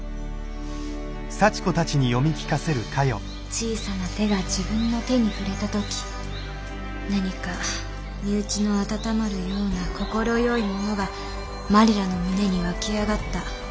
「小さな手が自分の手に触れた時何か身内の温まるような快いものがマリラの胸に湧き上がった。